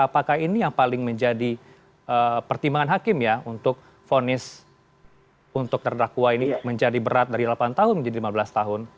apakah ini yang paling menjadi pertimbangan hakim ya untuk fonis untuk terdakwa ini menjadi berat dari delapan tahun menjadi lima belas tahun